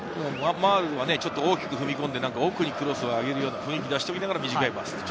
マールルはちょっと大きく踏み込んで奥にクロスを上げるような雰囲気を出していきながら短いパス。